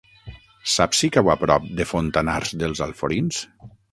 Saps si cau a prop de Fontanars dels Alforins?